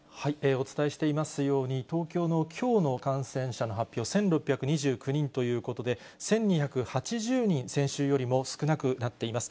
お伝えしていますように、東京のきょうの感染者の発表、１６２９人ということで、１２８０人、先週よりも少なくなっています。